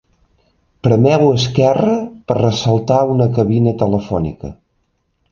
Premeu esquerre per ressaltar una cabina telefònica.